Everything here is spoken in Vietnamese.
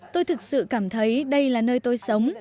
tôi thực sự cảm thấy đây là nơi tôi sống